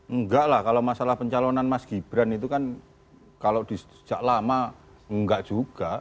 enggak lah kalau masalah pencalonan mas gibran itu kan kalau sejak lama enggak juga